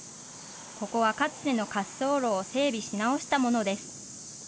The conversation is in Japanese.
ここは、かつての滑走路を整備し直したものです。